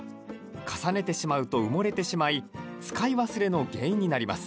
重ねてしまうと埋もれてしまい使い忘れの原因になります。